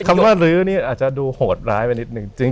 คำว่าลื้อนี่อาจจะดูโหดร้ายไปนิดนึง